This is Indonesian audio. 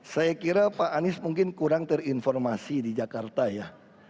saya kira pak anies mungkin kurang terinformasi di jakarta ya